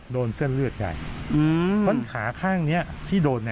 โดนเส้นเลือดใหญ่เพราะขาข้างนี้ที่โดน